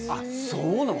そうなの？